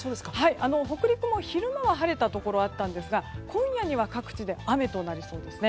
北陸も昼間は晴れたところあったんですが今夜には各地で雨となりそうですね。